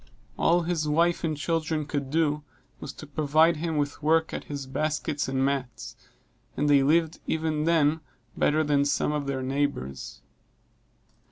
All that his wife and children could do, was to provide him with work at his baskets and mats; and they lived even then better than some of their neighbors.